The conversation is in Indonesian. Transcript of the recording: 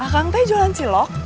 kang tadi jualan cilok